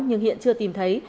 nhưng hiện chưa tìm thấy